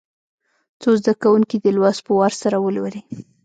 څو زده کوونکي دي لوست په وار سره ولولي.